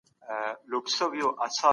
انسانان لا اوس هم د الله پوروړي دي.